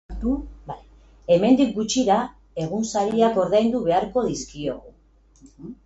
Hemendik gutxira egunsariak ordaindu beharko dizkiogu.